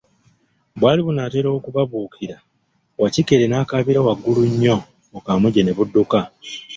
Bwali bunatera okubabukira, Wakikere n'akabira waggulu nnyo bukamuje ne budduka.